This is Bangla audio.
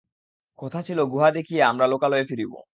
কথা ছিল গুহা দেখিয়া আমরা লোকালয়ে ফিরিব।